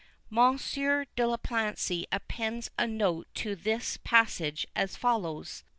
Mons. de Plancy appends a note to this passage, as follows: "1.